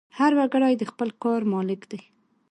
هر وګړی د خپل کار مالک دی.